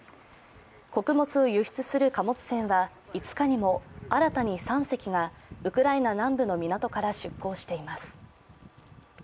穀物を輸出する貨物船は５日にも新たに３隻がウクライナ南部の港から出港しています。